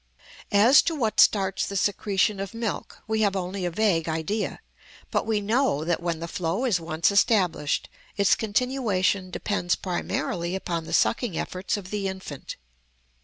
As to what starts the secretion of milk we have only a vague idea; but we know that when the flow is once established its continuation depends primarily upon the sucking efforts of the infant.